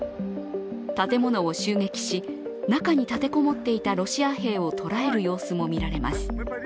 建物を襲撃し、中に立てこもっていたロシア兵を捕らえる様子も見られます。